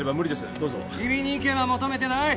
どうぞ君に意見は求めてない！